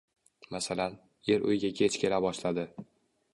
Masalan, er uyga kech kela boshladi